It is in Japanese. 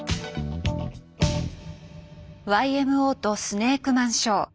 ＹＭＯとスネークマンショー。